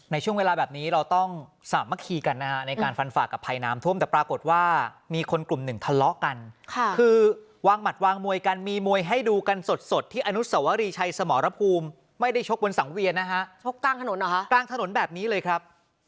ในช่วงเวลาแบบนี้เราต้องสามัคคีกันนะฮะในการฟันฝากกับภัยน้ำท่วมแต่ปรากฏว่ามีคนกลุ่มหนึ่งทะเลาะกันคือวางหัดวางมวยกันมีมวยให้ดูกันสดที่อนุสวรีชัยสมรภูมิไม่ได้ชกบนสังเวียนนะฮะชกกลางถนนเหรอฮะกลางถนนแบบนี้เลยครับ